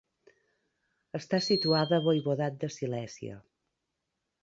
Està situada al Voivodat de Silèsia.